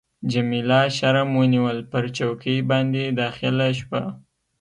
جميله شرم ونیول، پر چوکۍ باندي داخله شوه.